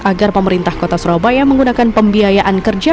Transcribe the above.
agar pemerintah kota surabaya menggunakan pembiayaan kerja